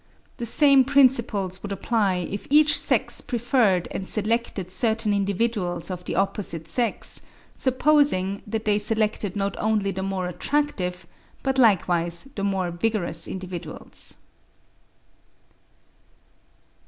The same principles would apply if each sex preferred and selected certain individuals of the opposite sex; supposing that they selected not only the more attractive, but likewise the more vigorous individuals.